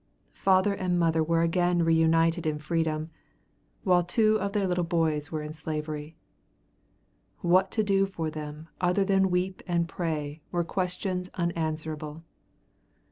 Mother and father were again reunited in freedom, while two of their little boys were in slavery. What to do for them other than weep and pray, were questions unanswerable.